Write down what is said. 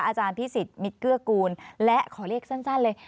อาจารย์พิสิทธิมิตรเกื้อกูลและขอเรียกสั้นเลย